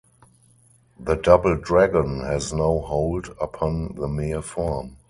The Double Dragon has no hold upon the mere form.